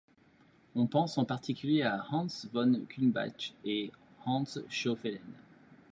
On pense en particulier à Hans von Kulmbach et Hans Schäufelein.